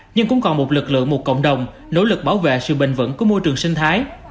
nhưng cũng còn một lực lượng một cộng đồng nỗ lực bảo vệ sự bình vững của môi trường sinh thái